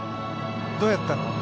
どうやったの？